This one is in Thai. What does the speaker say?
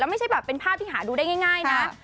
ไม่ใช่แบบเป็นภาพที่หาดูได้ง่ายนะ